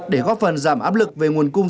để góp phần giảm áp lực về nguồn cung